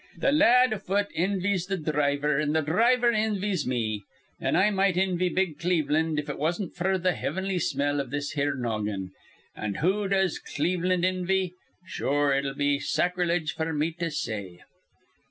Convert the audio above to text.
Th' lad afoot invies th' dhriver, an' th' dhriver invies me; an' I might invy big Cleveland if it wasn't f'r th' hivinly smell iv this here noggin. An' who does Cleveland invy? Sure, it'd be sacreliege f'r me to say.